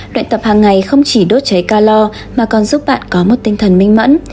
luyện tập hàng ngày không chỉ đốt cháy calor mà còn giúp bạn có một tinh thần minh mẫn